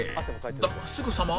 だがすぐさま